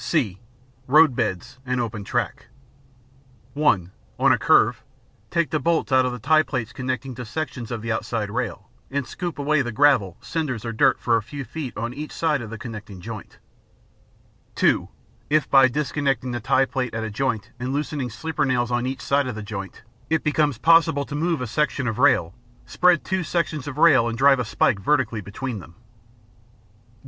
(c) Road beds and Open Track (1) On a curve, take the bolts out of the tie plates connecting to sections of the outside rail, and scoop away the gravel, cinders, or dirt for a few feet on each side of the connecting joint. (2) If by disconnecting the tie plate at a joint and loosening sleeper nails on each side of the joint, it becomes possible to move a sections of rail, spread two sections of rail and drive a spike vertically between them.